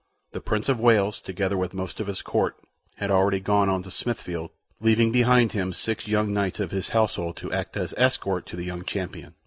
The Prince of Wales, together with most of his court, had already gone on to Smithfield, leaving behind him six young knights of his household to act as escort to the young champion.